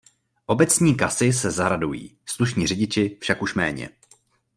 Obecní kasy se zaradují, slušní řidiči však už méně.